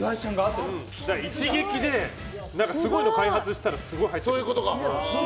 一撃ですごいの開発したらすごい入ってくると。